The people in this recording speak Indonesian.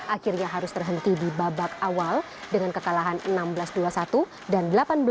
dua ribu delapan belas akhirnya harus terhenti di babak awal dengan kekalahan enam belas dua puluh satu dan delapan belas dua puluh satu